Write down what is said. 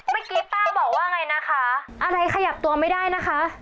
เมื่อกี้ป้าบอกว่าไงนะคะอะไรขยับตัวไม่ได้นะคะ